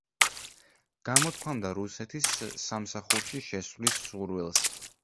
გამოთქვამდა რუსეთის სამსახურში შესვლის სურვილს.